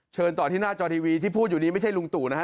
เชิญต่อที่หน้าจอทีวีที่พูดอยู่นี้ไม่ใช่ลุงตู่นะฮะ